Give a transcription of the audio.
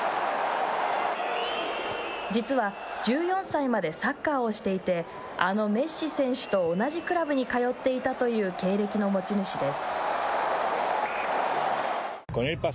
実は１４歳までサッカーをしていてあのメッシ選手と同じクラブに通っていたという経歴の持ち主です。